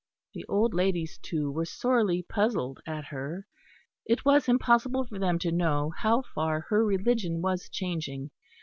The old ladies, too, were sorely puzzled at her. It was impossible for them to know how far her religion was changing.